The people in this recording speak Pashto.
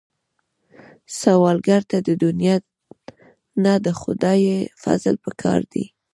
سوالګر ته د دنیا نه، د خدای فضل پکار دی